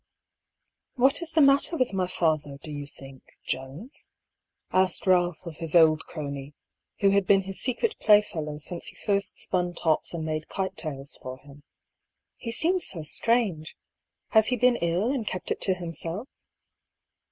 " What is the matter with my father, do you think, Jones?" asked Halph of his old crony, who had been his secret playfellow since he first spun tops and made kite tails for him. '^ He seems so strange. Has he been ill, and kept it to himself?"